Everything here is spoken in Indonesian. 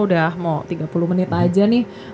udah mau tiga puluh menit aja nih